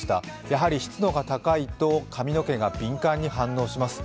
やはり湿度が高いと髪の毛が敏感に反応します。